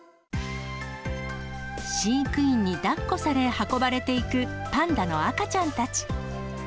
飼育員にだっこされ、運ばれていくパンダの赤ちゃんたち。